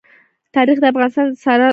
تاریخ د افغانستان د صادراتو برخه ده.